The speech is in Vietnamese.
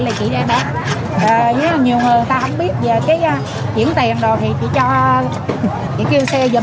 là chị ra bán nếu là nhiều người người ta không biết về cái chuyển tiền rồi thì chị cho chị kêu xe